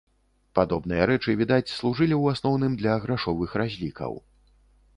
Падобныя рэчы, відаць, служылі ў асноўным для грашовых разлікаў.